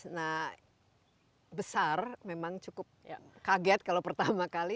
nah besar memang cukup kaget kalau pertama kali